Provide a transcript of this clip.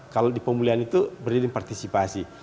kalau di pemulihan itu beriring partisipasi